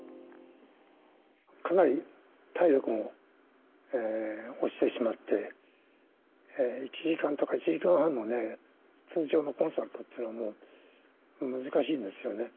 かなり体力も落ちてしまって、１時間とか１時間半の通常のコンサートっていうのはもう難しいんですよね。